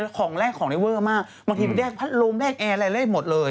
คือของแรกของได้เวอร์มากบางทีแรกพัดโรงแรกแรกอะไรแรกหมดเลย